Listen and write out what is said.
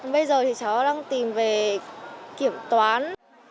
bây giờ thì cháu đang tìm về kiểm toán